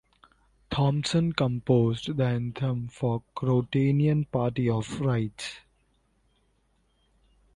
Thompson composed the anthem of the Croatian Party of Rights.